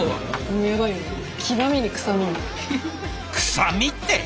「臭み」って。